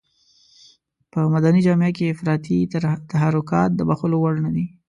په مدني جامه کې افراطي تحرکات د بښلو وړ نه دي.